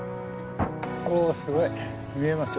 おすごい。見えますよ。